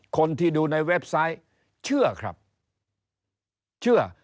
คนที่ดูในเว็บไซต์เชื่อครับเชื่อ